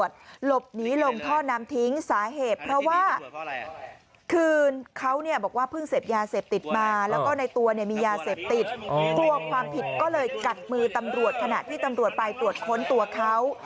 จังหวัดนครราชสีบาสารภาพบอกว่า